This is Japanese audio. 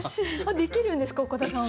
できるんですか岡田さんは？